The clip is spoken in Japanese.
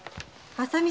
浅見？